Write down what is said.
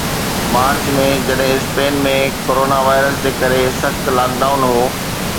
march ۾، جڏهن Spain ۾ corona virus جي ڪري سخت لاڪ ڊائون هو